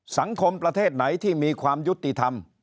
ประเทศไหนที่มีความยุติธรรม